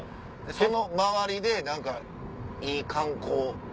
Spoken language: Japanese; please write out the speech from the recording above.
その周りで何かいい観光。